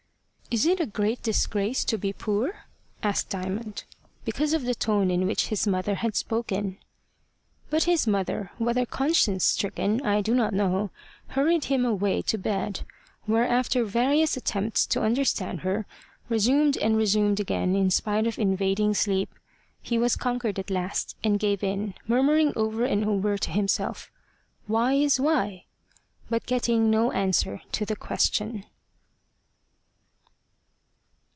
"Is it a great disgrace to be poor?" asked Diamond, because of the tone in which his mother had spoken. But his mother, whether conscience stricken I do not know hurried him away to bed, where after various attempts to understand her, resumed and resumed again in spite of invading sleep, he was conquered at last, and gave in, murmuring over and over to himself, "Why is why?" but getting no answer to the question.